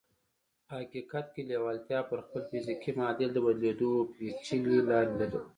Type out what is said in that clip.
په حقیقت کې لېوالتیا پر خپل فزیکي معادل د بدلېدو پېچلې لارې لري